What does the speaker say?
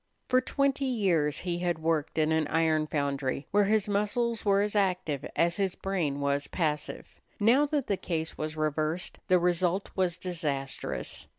For twenty years he had worked in an iron foundry, where his muscles were as active as his brain was passive. Now that the case was reversed, the result was disastrous.